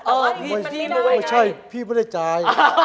เออพี่ไม่ได้จ่าย